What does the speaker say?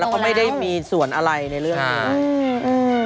แล้วก็ไม่ได้มีส่วนอะไรในเรื่องนี้